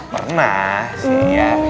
pernah sih ya